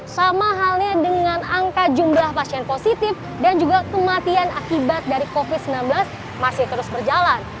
sama halnya dengan angka jumlah pasien positif dan juga kematian akibat dari covid sembilan belas masih terus berjalan